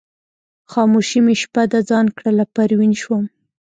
خاموشي مې شپه د ځان کړله پروین شوم